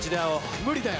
無理だよ。